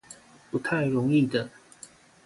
不太容易的